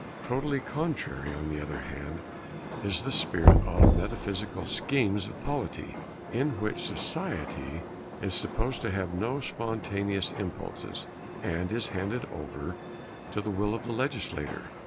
Totally contrary, on the other hand, is the spirit of metaphysical schemes of polity, in which society is supposed to have no spontaneous impulses, and is handed over to the will of the legislator.